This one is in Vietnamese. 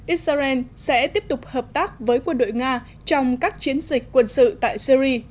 israel sẽ tiếp tục hợp tác với quân đội nga trong các chiến dịch quân sự tại syri